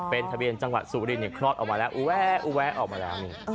เป็นทะเบียนจังหวัดสุรินอุแวะอุแวะออกมาแล้ว